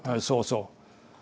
そうそう。